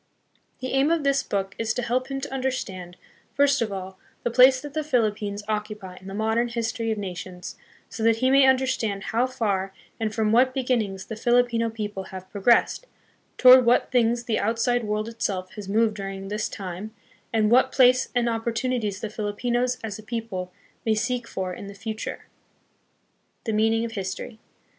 The aim of this book is to help him to understand, first of all, the place that the Philippines occupy in the modern history of nations, so that he may understand how far and from what beginnings the Filipino people have pro gressed, toward what things the outside world itself has moved during this time, and what place and opportunities the Filipinos, as a people, may seek for in the future. The Meaning of History.